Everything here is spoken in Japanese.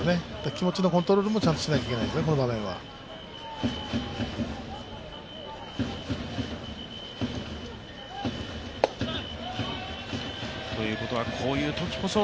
気持ちのコントロールもちゃんとしなきゃいけないですね、この場面は。ということはこういうときこそ